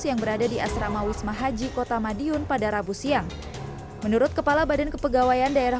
yang berada di asrama wisma haji kota madiun pada rabu siang menurut kepala badan kepegawaian daerah